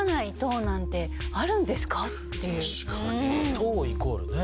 糖イコールね。